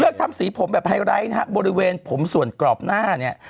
ทำสีผมแบบไฮไลท์นะฮะบริเวณผมส่วนกรอบหน้าเนี่ย